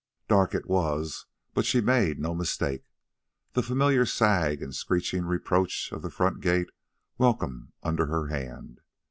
Dark it was, but she made no mistake, the familiar sag and screeching reproach of the front gate welcome under her hand.